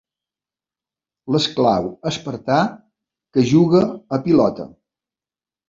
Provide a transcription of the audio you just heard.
L'esclau espartà que juga a pilota.